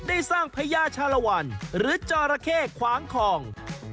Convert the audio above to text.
ได้สร้างพญาชาลวันหรือจอราเข้ขวางคลอง